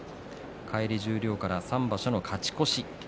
返り十両から３場所の勝ち越し。